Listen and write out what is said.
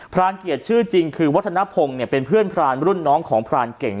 รานเกียรติชื่อจริงคือวัฒนภงเป็นเพื่อนพรานรุ่นน้องของพรานเก่ง